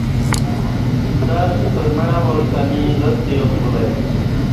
درس پرمع وار تہ می لستہ یاد بولہ ای